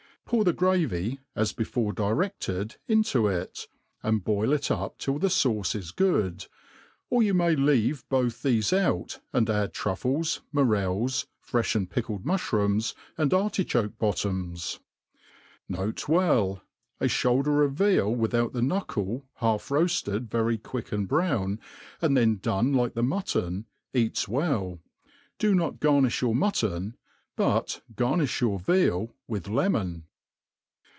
Pour the gravy, as .before dlrefted, intb it, and boi'l it up till the fauce is good : or you may leave both thefe out, and add truffles, morels, freih and pickled mufliroofhs, and artichoke^bottomis,^ ... N. B. A (houlder of veal without the knuckle, half roafted, very quick and brown, and then done like the mutton, eats well. Do not garnifh your mtitton, but garniih ybui* veal with lemon.